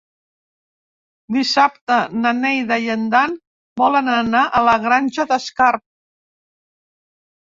Dissabte na Neida i en Dan volen anar a la Granja d'Escarp.